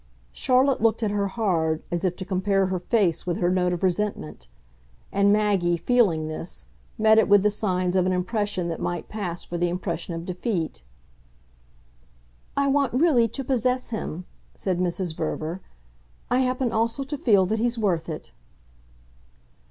Charlotte looked at her hard, as if to compare her face with her note of resentment; and Maggie, feeling this, met it with the signs of an impression that might pass for the impression of defeat. "I want really to possess him," said Mrs. Verver. "I happen also to feel that he's worth it."